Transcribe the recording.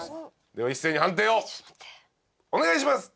では一斉に判定をお願いします！